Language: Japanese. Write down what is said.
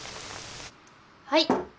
はい。